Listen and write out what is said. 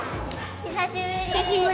久しぶり！